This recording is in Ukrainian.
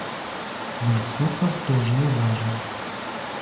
Він слухав дуже уважно.